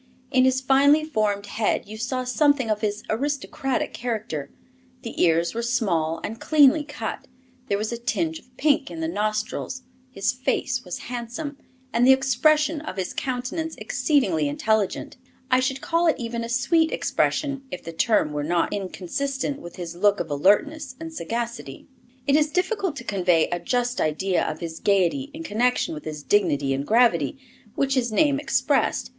In his finely formed head you saw something of his aristocratic character; the ears were small and cleanly cut, there was a tinge of pink in the nostrils, his face was handsome, and the expression of his countenance exceedingly intelligent I should call it even a sweet expression if the term were not inconsistent with his look of alertness and sagacity. It is difficult to convey a just idea of his gaiety in connection with his dignity and gravity, which his name expressed.